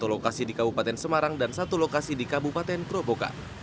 satu lokasi di kabupaten semarang dan satu lokasi di kabupaten probokan